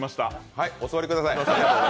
はい、お座りください。